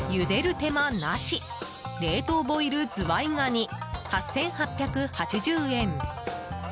手間なし冷凍ボイルズワイガニ８８８０円。